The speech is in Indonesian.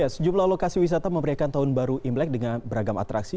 sejumlah lokasi wisata memberikan tahun baru imlek dengan beragam atraksi